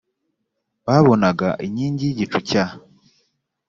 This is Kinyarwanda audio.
babonaga inkingi y igicu cya